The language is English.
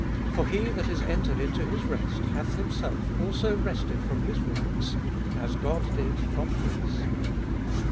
10. For he that is entered into his rest hath himself also rested from his works, as God did from his.